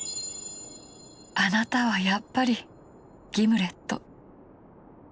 あなたはやっぱりギムレット。